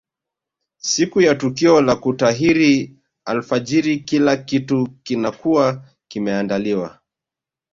Siku ya tukio la kutahiri alfajiri kila kitu kinakuwa kimeandaliwa